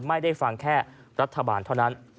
ไม่ได้ฟังแค่รัฐบาลเท่านั้น